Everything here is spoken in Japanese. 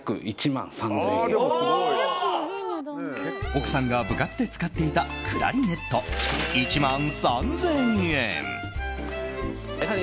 奥さんが部活で使っていたクラリネット、１万３０００円。